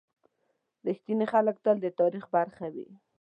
• رښتیني خلک تل د تاریخ برخه وي.